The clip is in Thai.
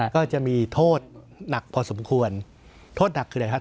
ก็จะมีโทษหนักพอสมควรโทษหนักคืออะไรครับ